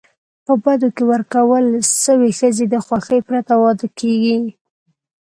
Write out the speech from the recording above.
په بدو کي ورکول سوي ښځي د خوښی پرته واده کيږي.